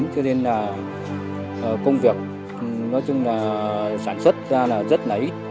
thế nên công việc sản xuất ra rất nấy